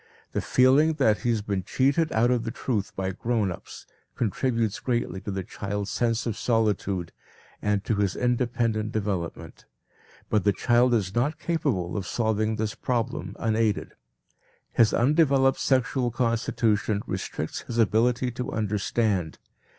The feeling that he has been cheated out of the truth by grown ups, contributes greatly to the child's sense of solitude and to his independent development. But the child is not capable of solving this problem unaided. His undeveloped sexual constitution restricts his ability to understand.